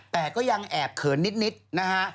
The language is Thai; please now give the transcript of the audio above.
แต่ก็ยังแอบเขินนิดนะฮะ